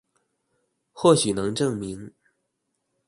或許能證明